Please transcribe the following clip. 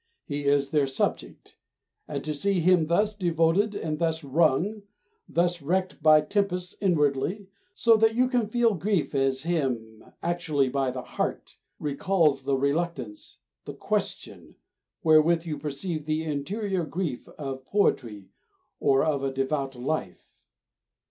He is their subject; and to see him thus devoted and thus wrung, thus wrecked by tempests inwardly, so that you feel grief has him actually by the heart, recalls the reluctance the question wherewith you perceive the interior grief of poetry or of a devout life.